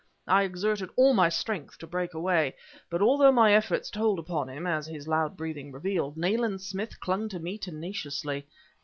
I exerted all my strength to break away; but although my efforts told upon him, as his loud breathing revealed, Nayland Smith clung to me tenaciously.